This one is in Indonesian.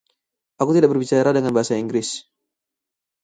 Aku tidak berbicara dengan bahasa Inggris.